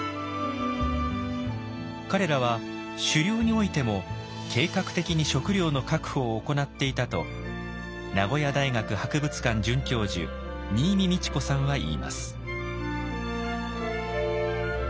彼らは「狩猟」においても計画的に食料の確保を行っていたと名古屋大学博物館准教授新美倫子さんは言います。